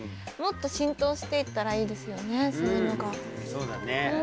そうだね。